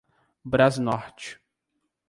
Brasnorte